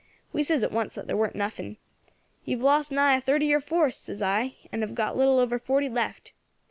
We says at once that there weren't nothing. 'You have lost nigh a third of your force,' says I, 'and have got little over forty left.